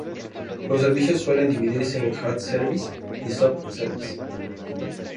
Los servicios suelen dividirse en "hard services" y "soft services".